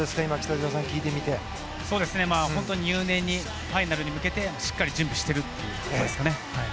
本当入念にファイナルに向けてしっかり準備しているところですかね。